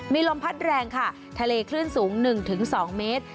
มีลมพัดแรงค่ะทะเลคลื่นสูง๑๒เมตร